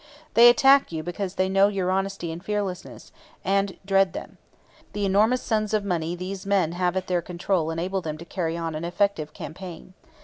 They attack you because they know your honesty and fearlessness, and dread them. The enormous sums of money these men have at their control enable them to carry on an effective campaign.